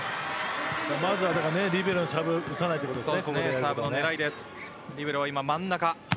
まずはリベロのサーブを打たないといけません。